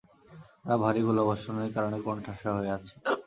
তারা ভারী গোলাবর্ষণের কারণে কোণঠাসা হয়ে আছে।